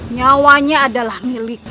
nyawanya adalah milikku